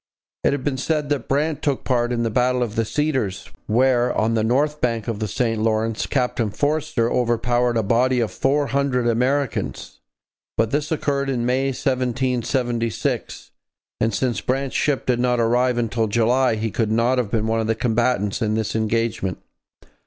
It has been said that Brant took part in the Battle of the Cedars, where, on the north bank of the St Lawrence, Captain Forster overpowered a body of four hundred Americans; but this occurred in May 1776, and since Brant's ship did not arrive until July he could not have been one of the combatants in this engagement.